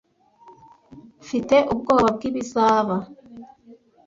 Mfite ubwoba bwibizaba.